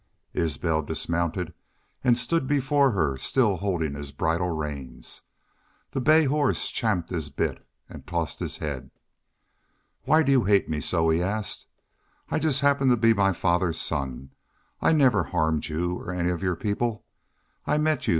Isbel dismounted and stood before her, still holding his bridle reins. The bay horse champed his bit and tossed his head. "Why do you hate me so?" he asked. "I just happen to be my father's son. I never harmed you or any of your people. I met you ...